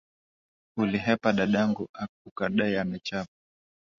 Ulihepa dadangu ukadai amechapa.